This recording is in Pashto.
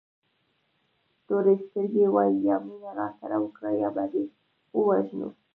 تورې سترګې وایي یا مینه راسره وکړه یا به دې ووژنو.